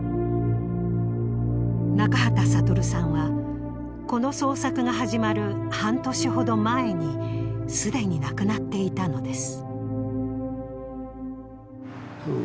中畠悟さんはこの捜索が始まる半年ほど前に既に亡くなっていたのです。